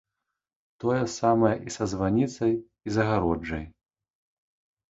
Тое самае і са званіцай, і з агароджай.